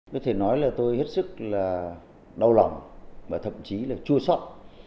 có thể nói là tôi hết sức là đau lòng và thậm chí là chua sót